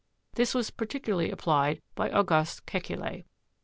This was par ticularly applied by August Kekule.